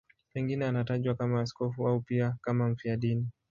Pengine anatajwa kama askofu au pia kama mfiadini.